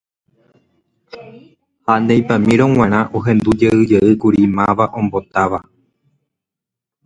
Ha neipamírõ g̃uarã ohendujeyjeýkuri máva ombotáva.